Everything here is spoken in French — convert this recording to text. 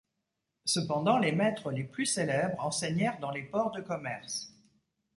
Cependant, les maîtres les plus célèbres enseignèrent dans les ports de commerce.